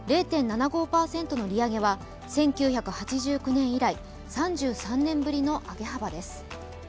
０．７５％の利上げは１９８９年以来、３３年ぶりの上げ幅です。